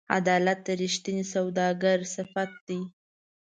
عدالت د رښتیني سوداګر صفت دی.